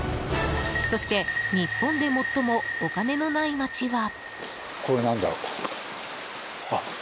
そして日本で最もお金のないまちは。